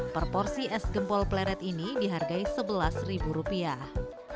perporsi es gempol pleret ini dihargai sebelas rupiah